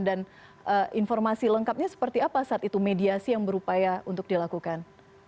dan informasi lengkapnya seperti apa saat itu mediasi yang berupaya untuk dilakukan